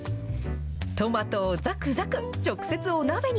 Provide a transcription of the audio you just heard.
トマトをざくざく、直接お鍋に。